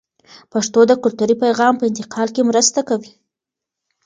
پښتو د کلتوري پیغام په انتقال کې مرسته کوي.